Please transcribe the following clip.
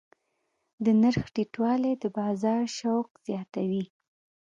د نرخ ټیټوالی د بازار شوق زیاتوي.